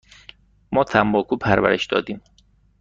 ما تنباکو پرورش دادیم.